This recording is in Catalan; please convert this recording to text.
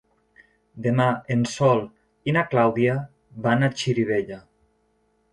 Demà en Sol i na Clàudia van a Xirivella.